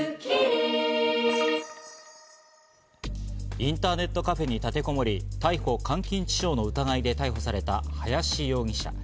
インターネットカフェに立てこもり、逮捕監禁致傷の疑いで逮捕された林容疑者。